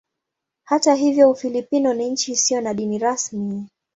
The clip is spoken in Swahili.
Hata hivyo Ufilipino ni nchi isiyo na dini rasmi.